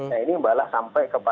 nah ini balas sampai kepada jubah